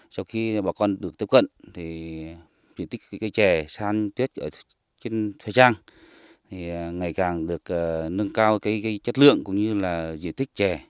sau khi bà con được tiếp cận diện tích chè san tuyết trên thời trang ngày càng được nâng cao chất lượng cũng như diện tích chè